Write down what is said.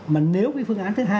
mà nếu cái phương án thứ hai